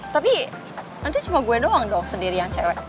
tapi nanti cuma gue doang dong sendirian cewek